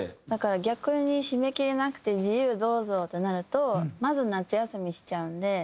だから逆に締め切りなくて自由どうぞってなるとまず夏休みしちゃうんで。